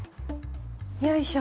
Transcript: よいしょ。